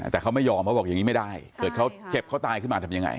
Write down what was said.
แต่เขาไม่ยอมเขาบอกอย่างนี้ไม่ได้เกิดเขาเจ็บเขาตายขึ้นมาทำยังไง